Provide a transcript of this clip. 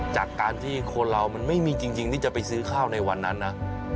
จากการที่คนเรามันไม่มีจริงที่จะไปซื้อข้าวในวันนั้นนะ